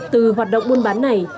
từ hoạt động buôn bán này